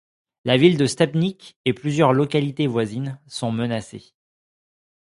La ville de Stebnyk et plusieurs localités voisines sont menacées.